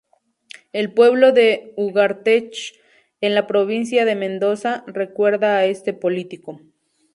El pueblo de Ugarteche, en la Provincia de Mendoza, recuerda a este político.